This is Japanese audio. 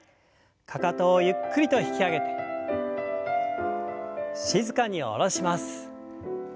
かかとをゆっくりと引き上げて静かに下ろします。